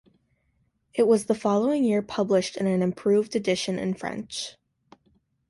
It was the following year published in an improved edition in French.